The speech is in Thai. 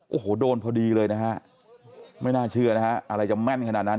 โอ้โหโดนพอดีเลยนะฮะไม่น่าเชื่อนะฮะอะไรจะแม่นขนาดนั้น